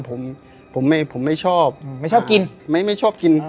ผมผมไม่ผมไม่ชอบไม่ชอบกินไม่ไม่ชอบกิน